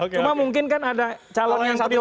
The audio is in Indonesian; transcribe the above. cuma mungkin kan ada calon yang satu